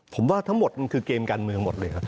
ผมว่าทั้งหมดมันคือเกมการเมืองหมดเลยครับ